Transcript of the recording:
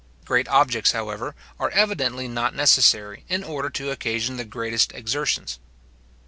Great objects, however, are evidently not necessary, in order to occasion the greatest exertions.